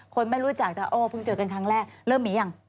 คนไม่รู้จักพึ่งเจอกันครั้งแรกเริ่มมีอย่าง